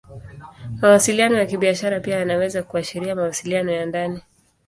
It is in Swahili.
Mawasiliano ya Kibiashara pia yanaweza kuashiria mawasiliano ya ndani.